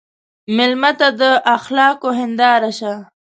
مېلمه ته د اخلاقو هنداره شه.